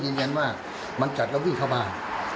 ยืนยันว่ามันกัดแล้ววิ่งเข้าบ้าน